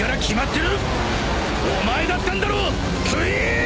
お前だったんだろクイーン！